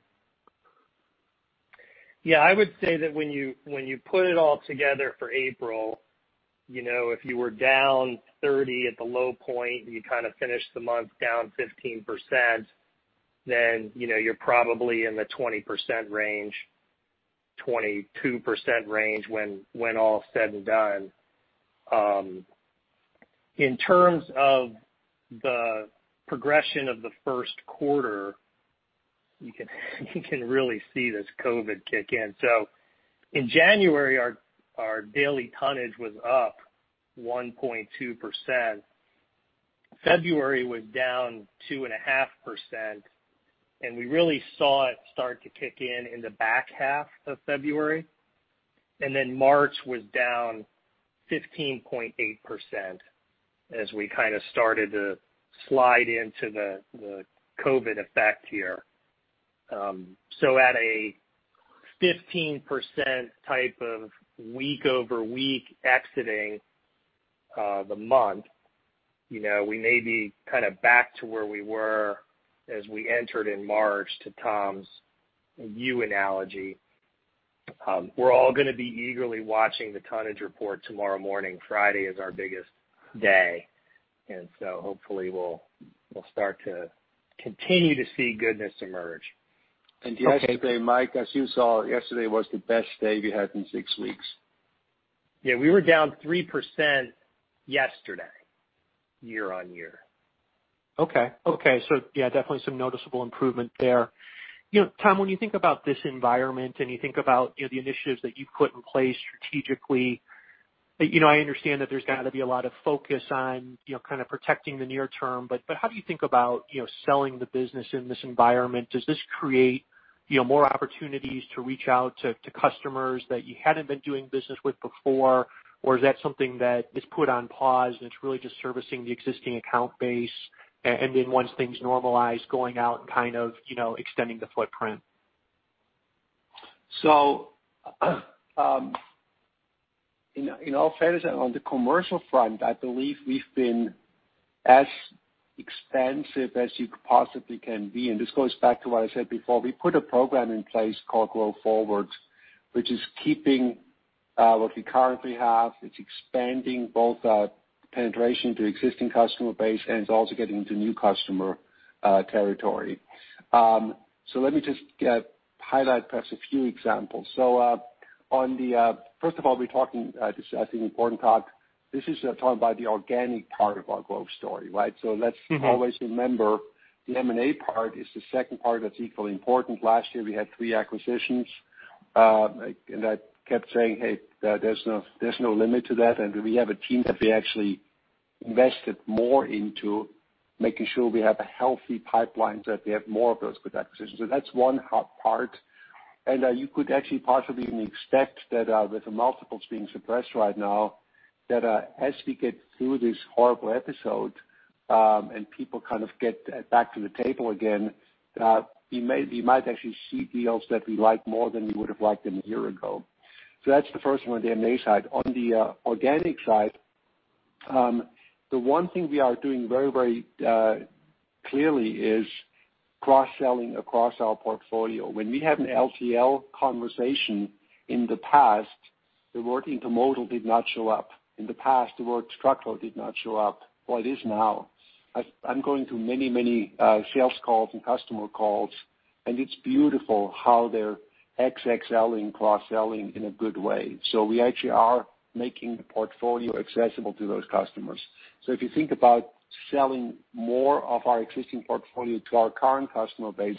Yeah, I would say that when you put it all together for April, if you were down 30% at the low point, and you kind of finished the month down 15%, then you're probably in the 20% range, 22% range when all said and done. In terms of the progression of the first quarter, you can really see this COVID kick in. In January, our daily tonnage was up 1.2%. February was down 2.5%, and we really saw it start to kick in in the back half of February. March was down 15.8% as we started to slide into the COVID effect here. At a 15% type of week-over-week exiting the month, we may be back to where we were as we entered in March to Tom's U analogy. We're all going to be eagerly watching the tonnage report tomorrow morning. Friday is our biggest day, and so hopefully we'll start to continue to see goodness emerge. Yesterday, Mike, as you saw, yesterday was the best day we had in six weeks. Yeah, we were down 3% yesterday, year-on-year. Definitely some noticeable improvement there. Tom, when you think about this environment and you think about the initiatives that you've put in place strategically, I understand that there's got to be a lot of focus on protecting the near term, but how do you think about selling the business in this environment? Does this create more opportunities to reach out to customers that you hadn't been doing business with before? Is that something that is put on pause and it's really just servicing the existing account base, and then once things normalize, going out and extending the footprint? In all fairness, on the commercial front, I believe we've been as expansive as you possibly can be. This goes back to what I said before, we put a program in place called Grow Forward, which is keeping what we currently have. It's expanding both our penetration to existing customer base, and it's also getting into new customer territory. Let me just highlight perhaps a few examples. First of all, we're talking, this, I think, important talk. This is talking about the organic part of our growth story, right? Let's always remember, the M&A part is the second part that's equally important. Last year, we had three acquisitions. I kept saying, "Hey, there's no limit to that." We have a team that we actually invested more into making sure we have a healthy pipeline so that we have more of those good acquisitions. That's one part. You could actually possibly even expect that with the multiples being suppressed right now, that as we get through this horrible episode, and people kind of get back to the table again, we might actually see deals that we like more than we would have liked them a year ago. That's the first one on the M&A side. On the organic side, the one thing we are doing very clearly is cross-selling across our portfolio. When we had an LTL conversation in the past, the word Intermodal did not show up. In the past, the word truckload did not show up. It is now. I'm going to many sales calls and customer calls, and it's beautiful how they're cross-selling, cross-selling in a good way. We actually are making the portfolio accessible to those customers. If you think about selling more of our existing portfolio to our current customer base,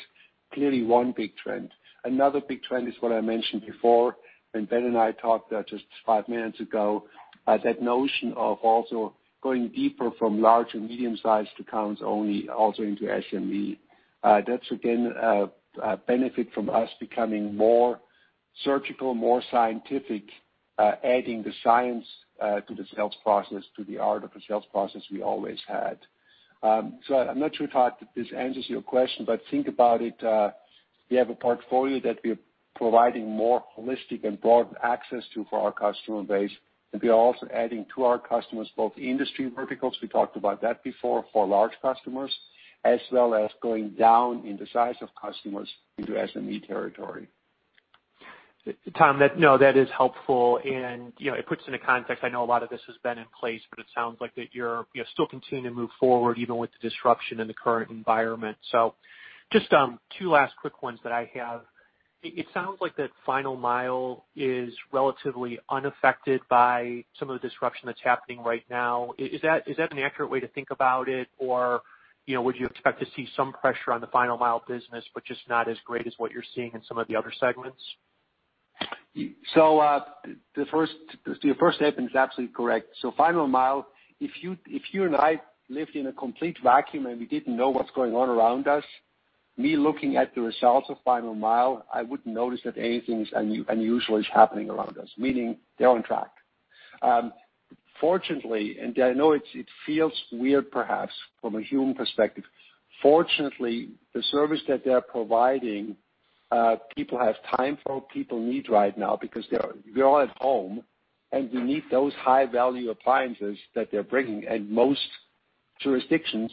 clearly one big trend. Another big trend is what I mentioned before, and Ben and I talked just five minutes ago, that notion of also going deeper from large and medium sized accounts only also into SME. That's again, a benefit from us becoming more surgical, more scientific, adding the science to the sales process, to the art of the sales process we always had. I'm not sure, Todd, that this answers your question, but think about it. We have a portfolio that we are providing more holistic and broad access to for our customer base, and we are also adding to our customers both industry verticals, we talked about that before for large customers, as well as going down in the size of customers into SME territory. Tom, no, that is helpful. It puts into context, I know a lot of this has been in place, but it sounds like that you're still continuing to move forward even with the disruption in the current environment. Just two last quick ones that I have. It sounds like that Final Mile is relatively unaffected by some of the disruption that's happening right now. Is that an accurate way to think about it? Would you expect to see some pressure on the Final Mile business, but just not as great as what you're seeing in some of the other segments? Your first statement is absolutely correct. Final Mile, if you and I lived in a complete vacuum and we didn't know what's going on around us, me looking at the results of Final Mile, I wouldn't notice that anything unusual is happening around us, meaning they're on track. Fortunately, I know it feels weird perhaps from a human perspective. Fortunately, the service that they're providing, people have time for, people need right now because we're all at home, and we need those high-value appliances that they're bringing, and most jurisdictions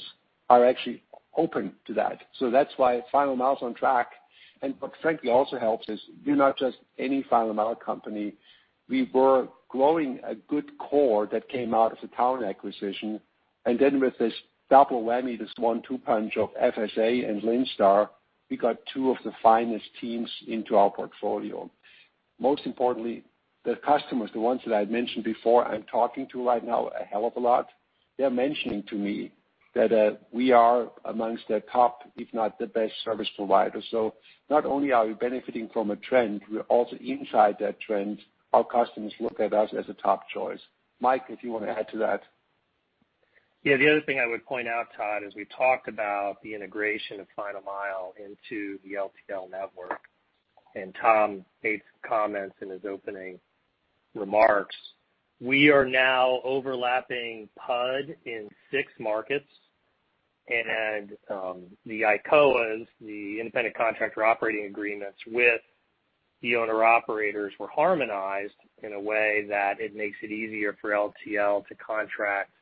are actually open to that. That's why Final Mile's on track. What frankly also helps is we're not just any Final Mile company. We were growing a good core that came out of the Towne acquisition. With this double whammy, this one-two punch of FSA and Linn Star, we got two of the finest teams into our portfolio. Most importantly, the customers, the ones that I had mentioned before, I'm talking to right now a hell of a lot. They're mentioning to me that we are amongst their top, if not the best service provider. Not only are we benefiting from a trend, we're also inside that trend. Our customers look at us as a top choice. Mike, if you want to add to that. Yeah, the other thing I would point out, Todd, is we talked about the integration of Final Mile into the LTL network. Tom made some comments in his opening remarks. We are now overlapping PUD in six markets. The ICOA, the independent contractor operating agreements with the owner-operators were harmonized in a way that it makes it easier for LTL to contract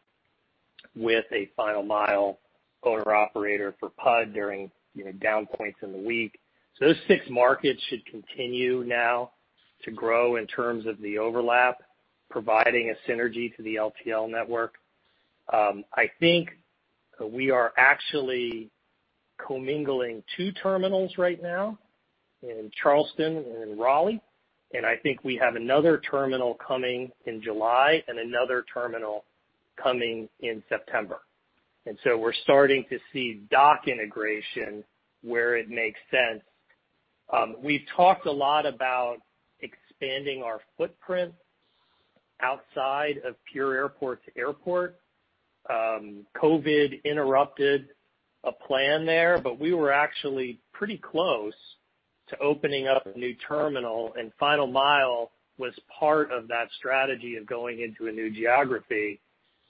with a Final Mile owner-operator for PUD during down points in the week. Those six markets should continue now to grow in terms of the overlap, providing a synergy to the LTL network. I think we are actually commingling two terminals right now in Charleston and Raleigh. I think we have another terminal coming in July and another terminal coming in September. We're starting to see dock integration where it makes sense. We've talked a lot about expanding our footprint outside of pure airport to airport. COVID interrupted a plan there, but we were actually pretty close to opening up a new terminal, and Final Mile was part of that strategy of going into a new geography,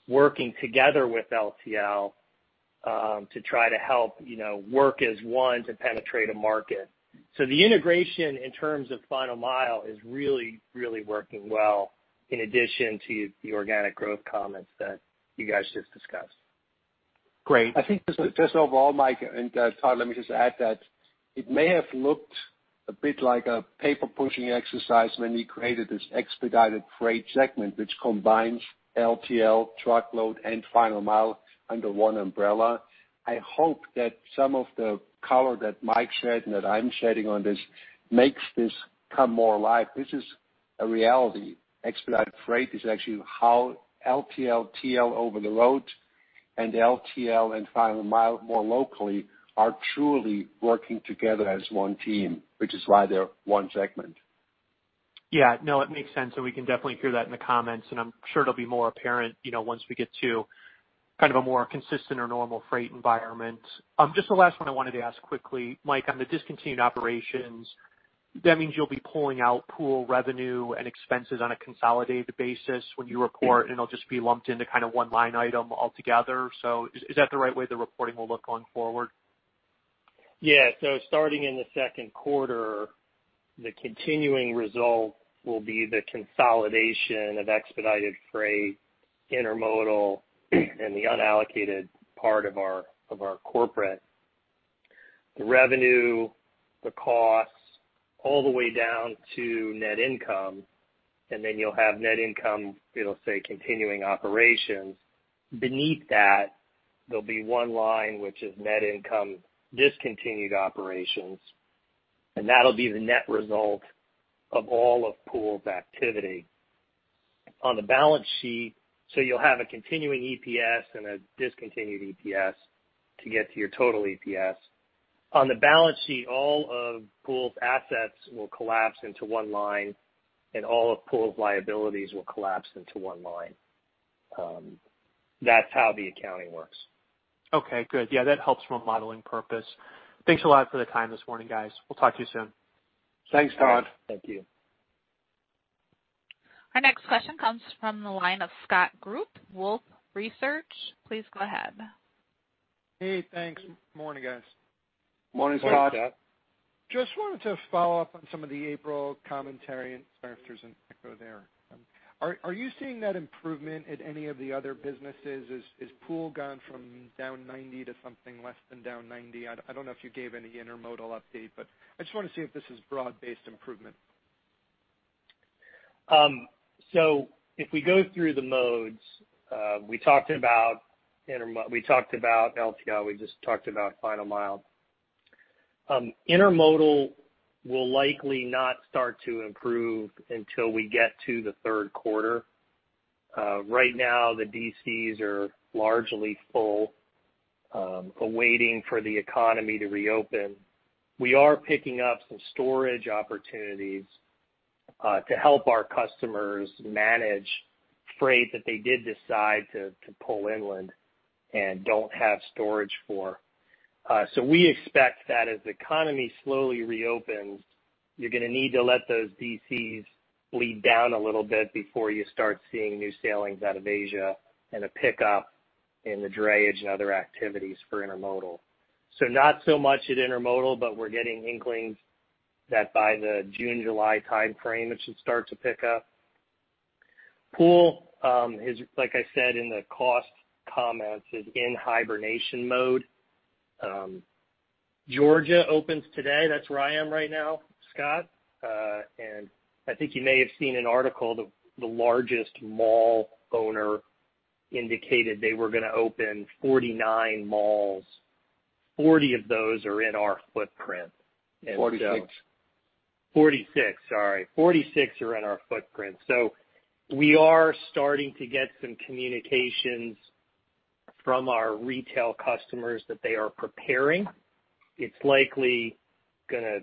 working together with LTL, to try to help work as one to penetrate a market. The integration in terms of Final Mile is really working well in addition to the organic growth comments that you guys just discussed. Great. I think just overall, Mike and Todd, let me just add that it may have looked a bit like a paper-pushing exercise when we created this Expedited Freight segment, which combines LTL, truckload, and Final Mile under one umbrella. I hope that some of the color that Mike shared and that I'm sharing on this makes this come more alive. This is a reality. Expedited Freight is actually how LTL, TL over the road, and LTL and Final Mile more locally are truly working together as one team, which is why they're one segment. Yeah. No, it makes sense, and we can definitely hear that in the comments, and I'm sure it'll be more apparent once we get to kind of a more consistent or normal freight environment. Just the last one I wanted to ask quickly, Mike, on the discontinued operations, that means you'll be pulling out Pool revenue and expenses on a consolidated basis when you report, and it'll just be lumped into one line item altogether. Is that the right way the reporting will look going forward? Yeah. Starting in the second quarter, the continuing result will be the consolidation of Expedited Freight, Intermodal, and the unallocated part of our corporate. The revenue, the costs, all the way down to net income, you'll have net income, it'll say continuing operations. Beneath that, there'll be one line, which is net income, discontinued operations, that'll be the net result of all of Pool's activity. On the balance sheet, you'll have a continuing EPS and a discontinued EPS to get to your total EPS. On the balance sheet, all of Pool's assets will collapse into one line, all of Pool's liabilities will collapse into one line. That's how the accounting works. Okay, good. That helps from a modeling purpose. Thanks a lot for the time this morning, guys. We'll talk to you soon. Thanks, Todd. Thank you. Our next question comes from the line of Scott Group, Wolfe Research. Please go ahead. Hey, thanks. Morning, guys. Morning, Scott. Morning, Scott. Just wanted to follow up on some of the April commentary and starters and echo there. Are you seeing that improvement at any of the other businesses? Is Pool gone from down 90% to something less than down 90%? I don't know if you gave any Intermodal update, I just want to see if this is broad-based improvement. If we go through the modes, we talked about LTL, we just talked about Final Mile. Intermodal will likely not start to improve until we get to the third quarter. Right now, the DCs are largely full, waiting for the economy to reopen. We are picking up some storage opportunities to help our customers manage freight that they did decide to pull inland and don't have storage for. We expect that as the economy slowly reopens, you're going to need to let those DCs bleed down a little bit before you start seeing new sailings out of Asia and a pickup in the drayage and other activities for Intermodal. Not so much at Intermodal, but we're getting inklings that by the June, July timeframe, it should start to pick up. Pool, like I said in the cost comments, is in hibernation mode. Georgia opens today. That's where I am right now, Scott. I think you may have seen an article, the largest mall owner indicated they were going to open 49 malls. 40 of those are in our footprint. 46. 46, sorry. 46 are in our footprint. We are starting to get some communications from our retail customers that they are preparing. It's likely going to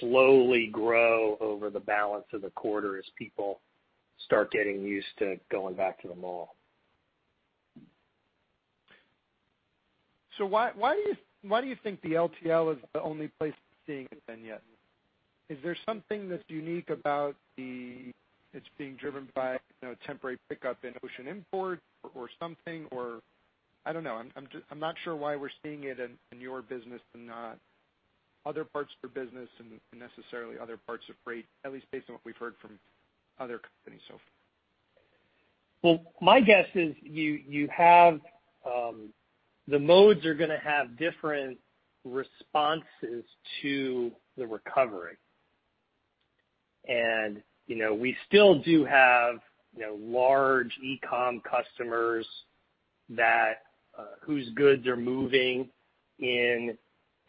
slowly grow over the balance of the quarter as people start getting used to going back to the mall. Why do you think the LTL is the only place we're seeing it then yet? Is there something that's unique about the, it's being driven by temporary pickup in ocean import or something, or I don't know? I'm not sure why we're seeing it in your business and not other parts of your business and necessarily other parts of freight, at least based on what we've heard from other companies so far. Well, my guess is the modes are going to have different responses to the recovery. We still do have large e-com customers whose goods are moving in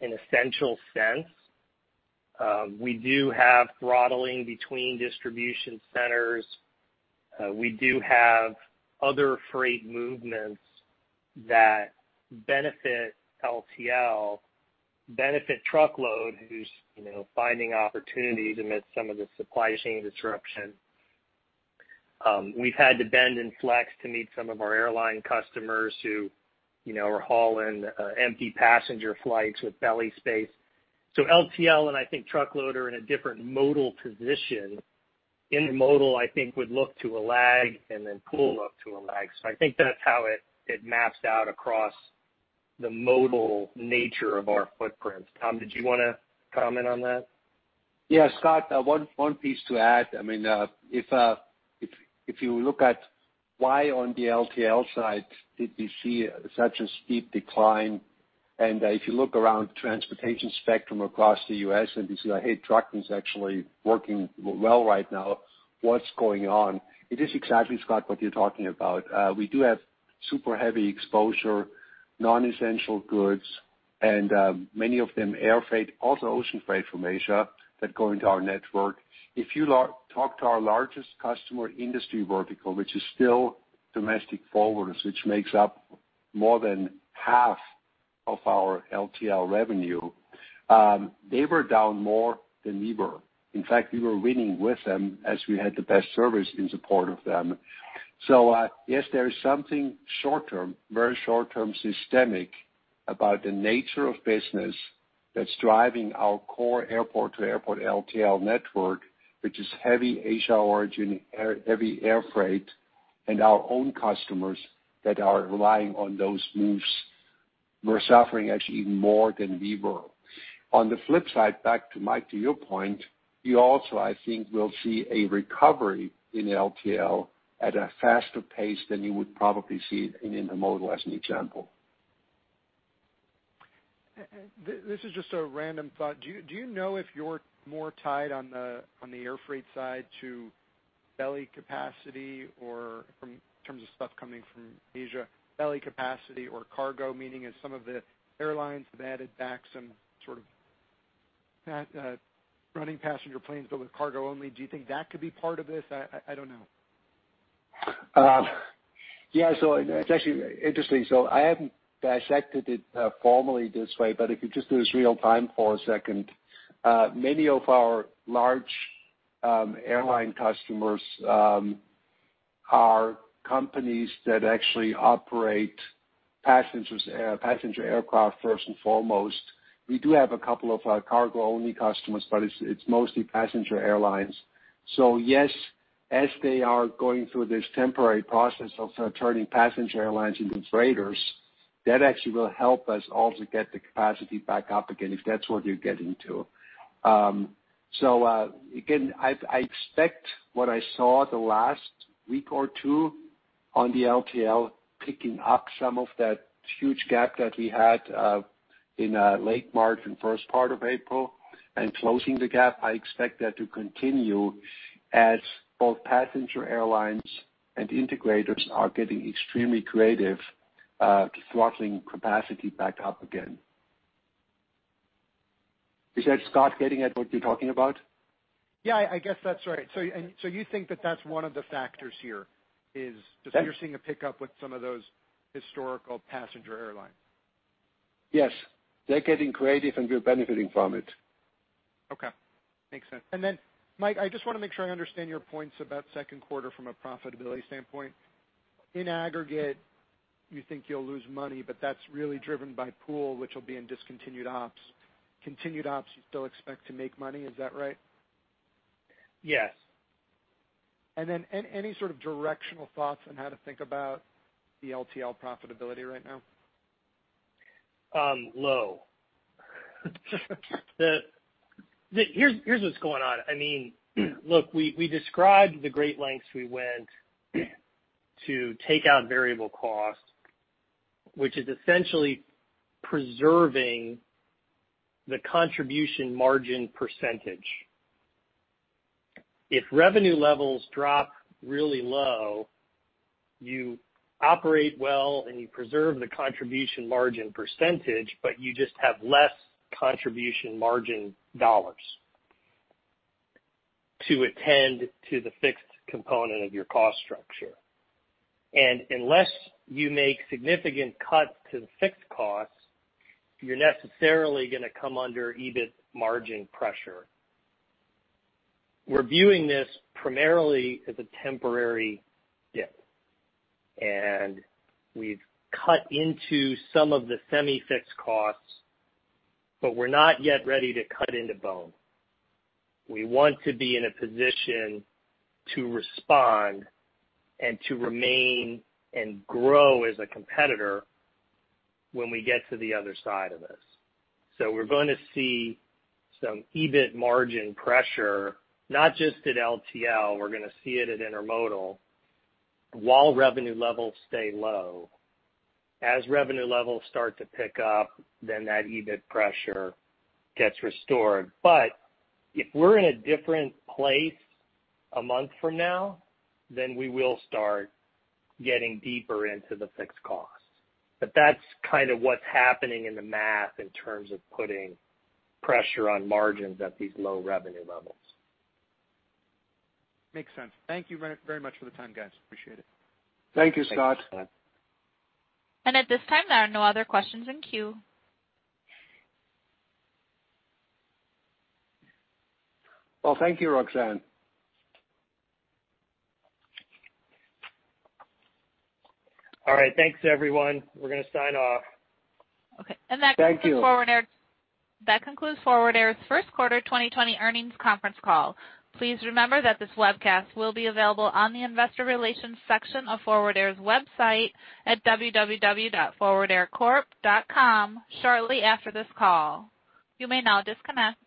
an essential sense. We do have throttling between distribution centers. We do have other freight movements that benefit LTL, benefit truckload, who's finding opportunities amidst some of the supply chain disruption. We've had to bend and flex to meet some of our airline customers who are hauling empty passenger flights with belly space. LTL and I think truckload are in a different modal position. Intermodal, I think, would look to a lag, and then Pool look to a lag. I think that's how it maps out across the modal nature of our footprint. Tom, did you want to comment on that? Yeah, Scott, one piece to add. If you look at why on the LTL side did we see such a steep decline, and if you look around transportation spectrum across the U.S. and you say, "Trucking is actually working well right now. What's going on?" It is exactly, Scott, what you're talking about. We do have super heavy exposure, non-essential goods, and many of them air freight, also ocean freight from Asia, that go into our network. If you talk to our largest customer industry vertical, which is still domestic forwarders, which makes up more than half of our LTL revenue, they were down more than we were. In fact, we were winning with them as we had the best service in support of them. Yes, there is something short-term, very short-term, systemic about the nature of business that's driving our core airport to airport LTL network, which is heavy Asia origin, heavy air freight, and our own customers that are relying on those moves were suffering actually even more than we were. On the flip side, back to Mike, to your point, you also, I think, will see a recovery in LTL at a faster pace than you would probably see in Intermodal as an example. This is just a random thought. Do you know if you're more tied on the air freight side to belly capacity or from terms of stuff coming from Asia, belly capacity or cargo, meaning as some of the airlines have added back some sort of running passenger planes but with cargo only. Do you think that could be part of this? I don't know. Yeah. It's actually interesting. I haven't dissected it formally this way, but if you just do this real time for a second. Many of our large airline customers are companies that actually operate passenger aircraft first and foremost. We do have a couple of cargo-only customers, but it's mostly passenger airlines. Yes, as they are going through this temporary process of turning passenger airlines into freighters, that actually will help us also get the capacity back up again, if that's what you're getting to. Again, I expect what I saw the last week or two on the LTL picking up some of that huge gap that we had in late March and first part of April and closing the gap. I expect that to continue as both passenger airlines and integrators are getting extremely creative to throttling capacity back up again. Is that, Scott, getting at what you're talking about? Yeah, I guess that's right. You think that that's one of the factors here is just that you're seeing a pickup with some of those historical passenger airlines. Yes. They're getting creative, and we're benefiting from it. Okay. Makes sense. Mike, I just want to make sure I understand your points about second quarter from a profitability standpoint. In aggregate, you think you'll lose money, but that's really driven by Pool, which will be in discontinued ops. Continued ops, you still expect to make money, is that right? Yes. Any sort of directional thoughts on how to think about the LTL profitability right now? Low. Here's what's going on. Look, we described the great lengths we went to take out variable cost, which is essentially preserving the contribution margin percentage. If revenue levels drop really low, you operate well and you preserve the contribution margin percentage, but you just have less contribution margin dollars to attend to the fixed component of your cost structure. Unless you make significant cuts to the fixed costs, you're necessarily going to come under EBIT margin pressure. We're viewing this primarily as a temporary dip, we've cut into some of the semi-fixed costs, but we're not yet ready to cut into bone. We want to be in a position to respond and to remain and grow as a competitor when we get to the other side of this. We're going to see some EBIT margin pressure, not just at LTL. We're going to see it at Intermodal, while revenue levels stay low. As revenue levels start to pick up, that EBIT pressure gets restored. If we're in a different place a month from now, we will start getting deeper into the fixed costs. That's kind of what's happening in the math in terms of putting pressure on margins at these low revenue levels. Makes sense. Thank you very much for the time, guys. Appreciate it. Thank you, Scott. Thanks. At this time, there are no other questions in queue. Well, thank you, Roxanne. All right. Thanks, everyone. We're going to sign off. Okay. That concludes. Thank you. That concludes Forward Air's first quarter 2020 earnings conference call. Please remember that this webcast will be available on the investor relations section of Forward Air's website at www.forwardaircorp.com shortly after this call. You may now disconnect.